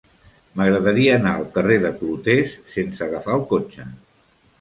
M'agradaria anar al carrer de Clotés sense agafar el cotxe.